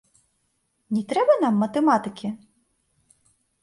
Не трэба нам матэматыкі?